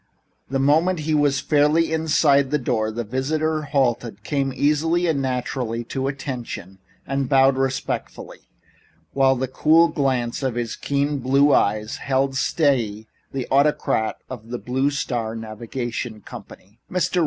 The moment he was fairly inside the door the visitor halted, came easily and naturally to "attention" and bowed respectfully, while the cool glance of his keen blue eyes held steadily the autocrat of the Blue Star Navigation Company. "Mr.